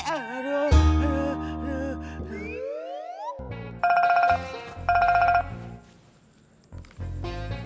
aduh aduh aduh aduh aduh